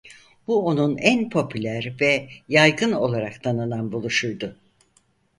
Bu onun en popüler ve yaygın olarak tanınan buluşuydu.